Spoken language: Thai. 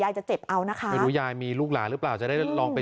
ยายจะเจ็บเอานะคะยายมีลูกหลาหรือเปล่าจะได้ลองไป